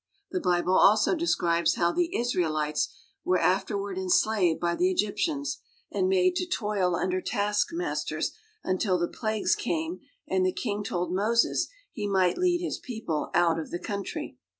The Bible also describes how the Israelites were after ward enslaved by the Egyptians, and made to toil under taskmasters until the plagues came and the king told Moses he might lead his people out of the country.